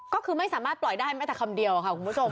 ก็คือไม่สามารถปล่อยได้แม้แต่คำเดียวค่ะคุณผู้ชม